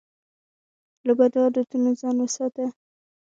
له بدو عادتونو ځان وساته.